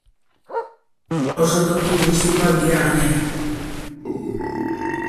Oso toki turistikoak dira gainera.